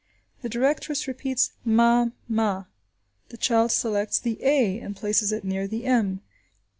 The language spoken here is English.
The directress repeats "ma–ma." The child selects the a and places it near the m.